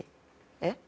えっ？